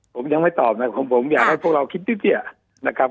ผมยังไม่ตอบนะผมอยากให้พวกเราคิดนิดเดียวนะครับ